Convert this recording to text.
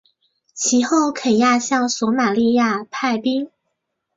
其后肯亚向索马利亚派兵。